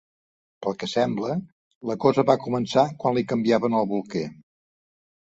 Pel que sembla, la cosa va començar quan li canviaven el bolquer.